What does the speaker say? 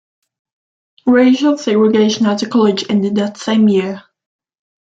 Racial segregation at the college ended that same year.